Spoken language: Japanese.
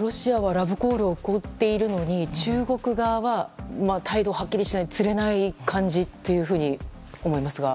ロシアはラブコールを送っているのに中国側は態度をはっきりしないつれない感じと思いますが。